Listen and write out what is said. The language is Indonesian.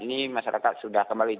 ini masyarakat sudah kembali